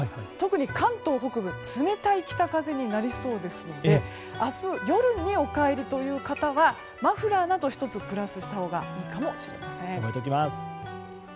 特に関東北部冷たい北風になりそうですので明日夜に帰るという方はマフラーなどを１つプラスしたほうがいいかもしれません。